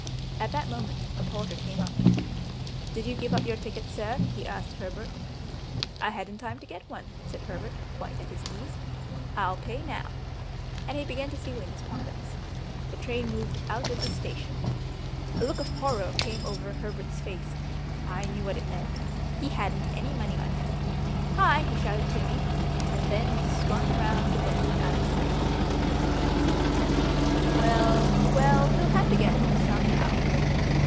At that moment a porter came up. "Did you give up your ticket, Sir?" he asked Herbert. "I hadn't time to get one," said Herbert, quite at his ease. "I'll pay now," and he began to feel in his pockets.... The train moved out of the station. A look of horror came over Herbert's face. I knew what it meant. He hadn't any money on him. "Hi!" he shouted to me, and then we swung round a bend out of sight.... Well, well, he'll have to get home somehow.